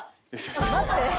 待って。